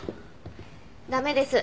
駄目です。